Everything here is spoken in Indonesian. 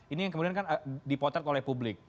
ini yang kemudian kan dipotret oleh publik